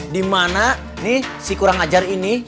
dimana nih si kurang hajar ini